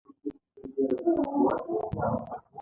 کرنل ولنټین بېکر ته یې د تېرېدلو اجازه ورنه کړه.